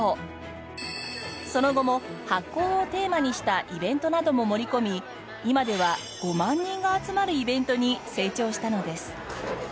その後も発酵をテーマにしたイベントなども盛り込み今では５万人が集まるイベントに成長したのです。